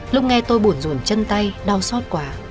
lúc nghe tôi buồn dồn chân tay đau xót quá